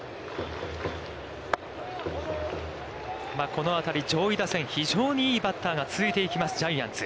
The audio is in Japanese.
この辺り、上位打線、非常にいいバッターが続いていきますジャイアンツ。